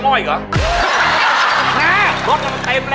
มีความรู้สึกว่า